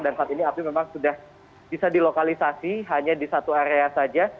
dan saat ini api memang sudah bisa dilokalisasi hanya di satu area saja